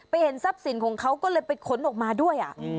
เห็นทรัพย์สินของเขาก็เลยไปขนออกมาด้วย